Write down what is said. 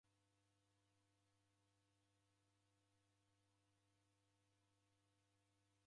Kukaia na w'ung'ara na wandu kwapoie